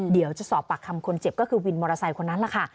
เดี๋ยวจะสอบปากคำคนเจ็บก็คือวินมอเตอร์ไซค์คนนั้นล่ะค่ะ